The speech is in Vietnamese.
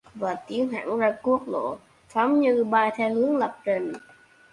Và tiến thẳng ra quốc lộ, phóng như bay theo hướng lập trình